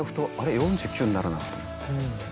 ４９になるなと思って。